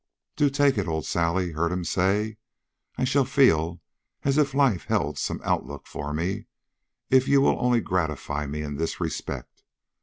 'Do take it,' old Sally heard him say. 'I shall feel as if life held some outlook for me, if you only will gratify me in this respect.'